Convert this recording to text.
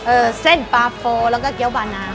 เออเส้นปลาโฟแล้วก็เกี้ยวปลาน้ำ